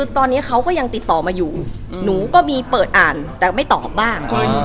ใจเฟินยังให้โอกาสเขาไหมอะ